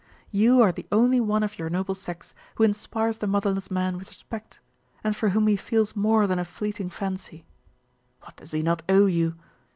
You are the only one of your noble sex who inspires the motherless man with respect, and for whom he feels more than a fleeting fancy. What does he not owe you?